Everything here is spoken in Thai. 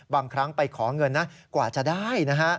บางครั้งไปขอเงินกว่าจะได้